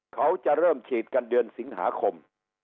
เขาจะเริ่มฉีดกันเดือนสิงหาคม